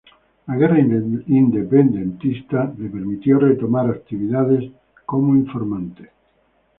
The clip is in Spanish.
La guerra independentista le permitió retomar actividades como informante.